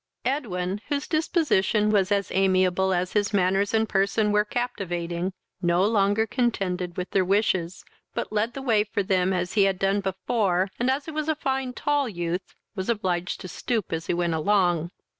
Edwin, whose disposition was as amiable as his manners and person were captivating, no longer contended with their wishes, but led the way for them as he had done before, and, as he was a fine tall youth, was obliged to stoop as he went along.